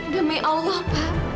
demi allah pak